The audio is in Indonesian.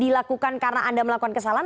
dilakukan karena anda melakukan kesalahan